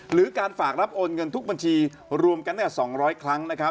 หรือการฝากรับโอนเงินทุกบัญชีรวมกัน๒๐๐ครั้งนะครับ